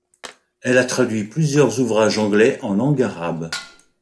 Elle a traduit plusieurs ouvrages anglais en langue arabe.